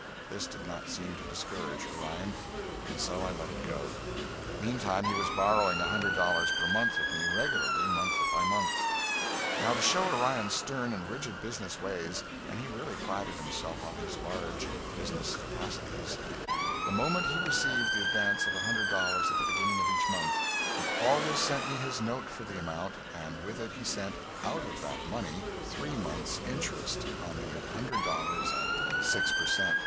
This did not seem to discourage Orion, and so I let it go. Meantime he was borrowing a hundred dollars per month of me regularly, month by month. Now to show Orion's stern and rigid business ways and he really prided himself on his large business capacities the moment he received the advance of a hundred dollars at the beginning of each month, he always sent me his note for the amount, and with it he sent, out of that money, three months' interest on the hundred dollars at six per cent.